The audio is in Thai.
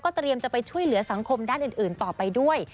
เตรียมจะไปช่วยเหลือสังคมด้านอื่นต่อไปด้วย